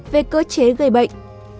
về cơ chế gây bệnh